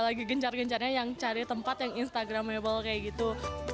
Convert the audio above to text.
lagi gencar gencarnya yang cari tempat yang instagramable kayak gitu